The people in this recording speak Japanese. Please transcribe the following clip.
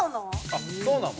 あっそうなの？